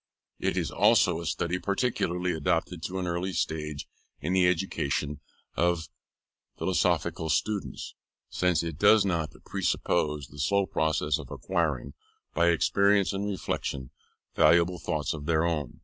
It is also a study peculiarly adapted to an early stage in the education of philosophical students, since it does not presuppose the slow process of acquiring, by experience and reflection, valuable thoughts of their own.